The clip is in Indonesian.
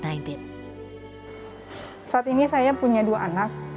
saat ini saya punya dua anak